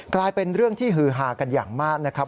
กลายเป็นเรื่องที่ฮือฮากันอย่างมากนะครับ